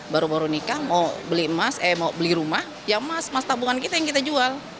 baru baru nikah mau beli rumah ya mas tabungan kita yang kita jual